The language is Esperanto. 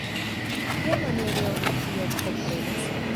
Kiamaniere oni tion komprenas?